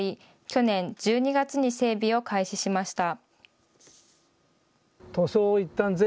去年１２月に整備を開始しました。